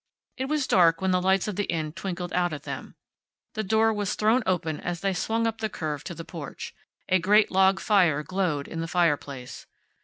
It was dark when the lights of the Inn twinkled out at them. The door was thrown open as they swung up the curve to the porch. A great log fire glowed in the fireplace.